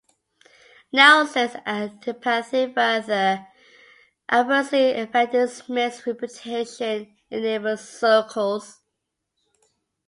Nelson's antipathy further adversely affected Smith's reputation in naval circles.